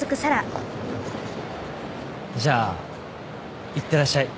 じゃあいってらっしゃい。